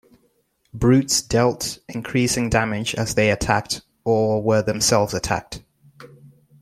Brutes dealt increasing damage as they attacked or were themselves attacked.